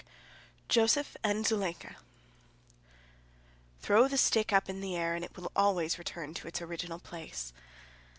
JOSEPH AND ZULEIKA "Throw the stick up in the air, it will always return to its original place."